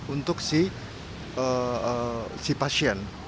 untuk si pasien